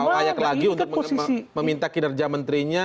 layak lagi untuk meminta kinerja menterinya